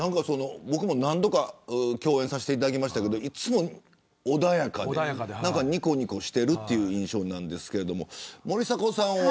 僕も何度か共演させていただきましたがいつも穏やかでにこにこしているという印象ですが、森迫さんは。